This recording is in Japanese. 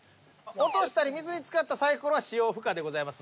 落としたり水に浸かったサイコロは使用不可でございます。